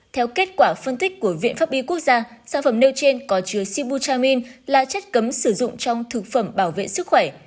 theo kết quả phân tích của viện pháp y quốc gia sản phẩm nêu trên có chứa sibu chamin là chất cấm sử dụng trong thực phẩm bảo vệ sức khỏe